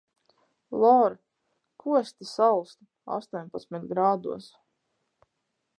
Lora, ko es te salstu? Astoņpadsmit grādos?!